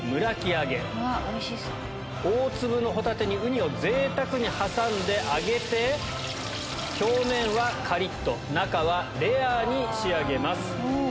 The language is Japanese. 大粒のホタテにウニを贅沢に挟んで揚げて表面はカリっと中はレアに仕上げます。